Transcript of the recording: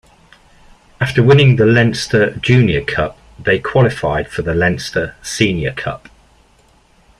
After winning the Leinster Junior Cup, they qualified for the Leinster Senior Cup.